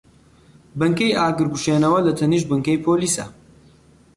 بنکەی ئاگرکوژێنەوە لەتەنیشت بنکەی پۆلیسە.